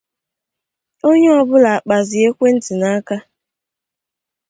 Onye ọbụla kpazi ekwenti n’aka